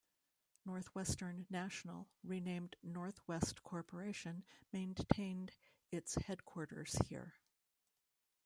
Northwestern National, renamed Norwest Corporation, maintained its headquarters here.